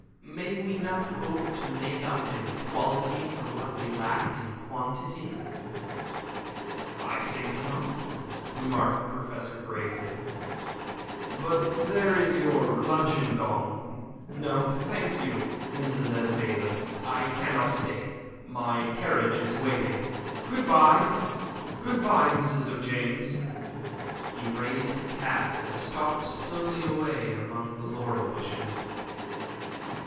May we not hope to make up in quality for what we lack in quantity?" "I think not," remarked the Professor, gravely. "But there is your luncheon gong. No, thank you, Mrs. Esdaile, I cannot stay. My carriage is waiting. Good bye. Good bye, Mrs. O'James." He raised his hat and stalked slowly away among the laurel bushes.